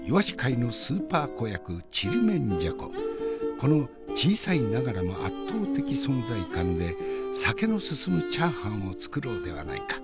この小さいながらも圧倒的存在感で酒の進むチャーハンを作ろうではないか。